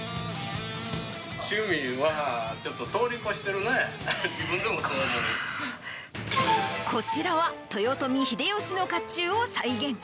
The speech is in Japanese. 趣味は、ちょっと通り越してこちらは豊臣秀吉のかっちゅうを再現。